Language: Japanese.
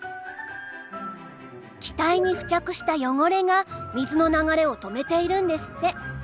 機体に付着した汚れが水の流れを止めているんですって。